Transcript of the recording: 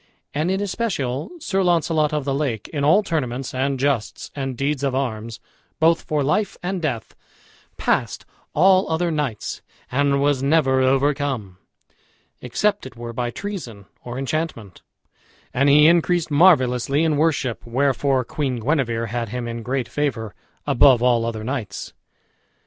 And in especial Sir Launcelot of the Lake in all tournaments and justs and deeds of arms, both for life and death, passed all other knights, and was never overcome, except it were by treason or enchantment; and he increased marvellously in worship, wherefore Queen Guenever had him in great favor, above all other knights.